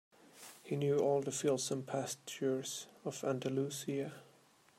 He knew all the fields and pastures of Andalusia.